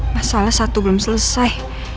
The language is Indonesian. masalah satu belum selesai